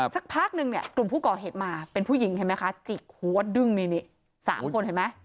สักพักนึงเนี่ยกลุ่มผู้ก่อเหตุมาเป็นผู้หญิงเห็นไหมคะจิกหัวดึงนี่๓คนเห็นไหม